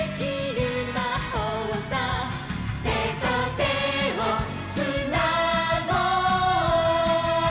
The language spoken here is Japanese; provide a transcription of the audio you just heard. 「手と手をつなごう！」